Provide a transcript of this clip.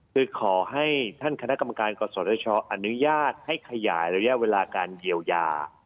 คือขอให้ท่านคณะกรรมการกศชอนุญาตให้ขยายระยะเวลาการเยียวยา